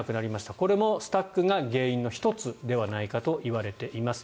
これもスタックが原因の１つではないかといわれています。